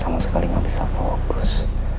saya sama sekali gak bisa fokus